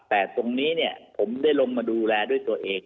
แต่ตรงนี้ผมได้ลงมาดูแลด้วยตัวเอง